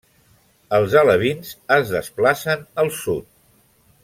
Els alevins es desplacen al sud.